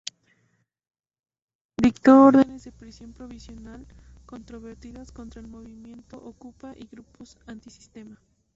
Dictó órdenes de prisión provisional controvertidas contra el movimiento okupa y grupos antisistema.